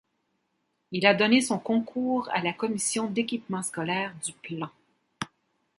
Il a donné son concours à la Commission d'Equipement scolaire du Plan.